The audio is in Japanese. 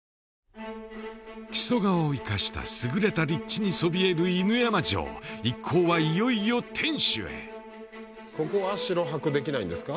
木曽川を生かした優れた立地にそびえる犬山城一行はいよいよ天守へここは城泊できないんですか？